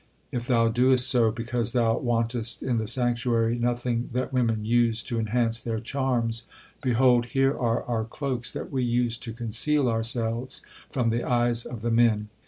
If thou doest so because thou wantest in the sanctuary nothing that women use to enhance their charms, behold, here are our cloaks that we use to conceal ourselves from the eyes of the men.